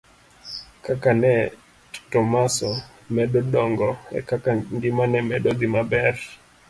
Kaka ne Tomaso medo dongo ekaka ngima ne medo dhi maber.